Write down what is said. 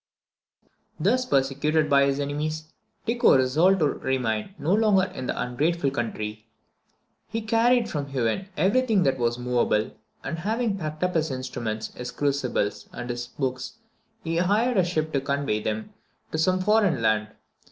Thus persecuted by his enemies, Tycho resolved to remain no longer in an ungrateful country. He carried from Huen every thing that was moveable, and having packed up his instruments, his crucibles, and his books, he hired a ship to convey them to some foreign land.